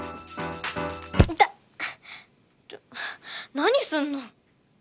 何すんの⁉